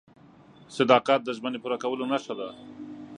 • صداقت د ژمنې پوره کولو نښه ده.